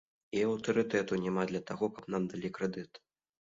І аўтарытэту няма для таго, каб нам далі крэдыт.